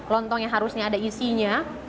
lontong yang harusnya ada isinya